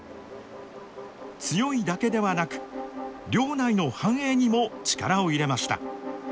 強いだけではなく領内の繁栄にも力を入れました。